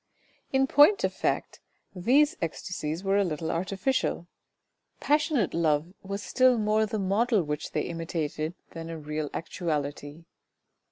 In point of fact, these ecstasies were a little artificial. Passionate love was still more the model which they imitated than a real actuality.